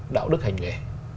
đạo đức hành nghề